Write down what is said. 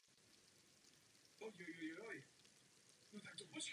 Z vrcholu se nabízí daleký kruhový výhled do kraje.